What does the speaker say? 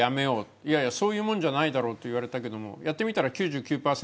いやいやそういうもんじゃないだろうと言われたけどもやってみたら９９％